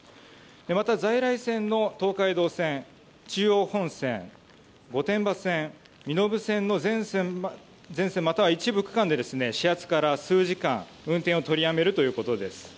また、在来線の東海道線中央本線、御殿場線、身延線の全線、または一部区間で始発から数時間運転を取りやめるということです。